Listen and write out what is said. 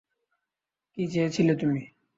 কী চেয়েছিলে তুমি?